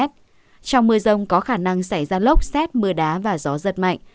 trong mưa rồng có khả năng xảy ra lốc xét mưa đá và gió rất mạnh